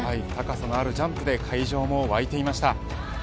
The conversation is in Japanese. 高さのあるジャンプで会場も沸いていました。